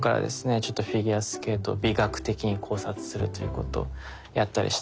ちょっとフィギュアスケートを美学的に考察するということをやったりしてます。